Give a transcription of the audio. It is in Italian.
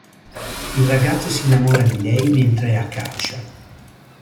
Il ragazzo si innamora di lei mentre è a caccia.